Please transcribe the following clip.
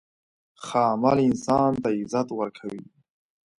ښه عمل انسان ته عزت ورکوي.